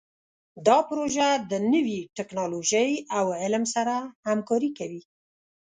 دا پروژه د نوي ټکنالوژۍ او علم سره همکاري کوي.